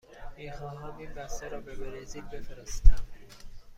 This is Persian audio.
می خواهم این بسته را به برزیل بفرستم.